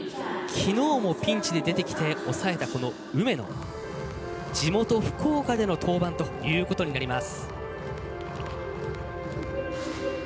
きのうもピンチに出てきて抑えた梅野、地元福岡での登板ということになります。